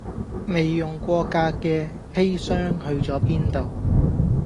未用過架嘅砒霜去咗邊度